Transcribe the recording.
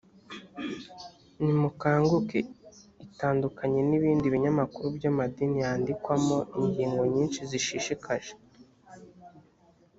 nimukanguke itandukanye n ibindi binyamakuru by amadini yandikwamo ingingo nyinshi zishishikaje